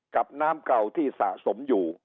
กับน้ำเก่าที่สะสมอยู่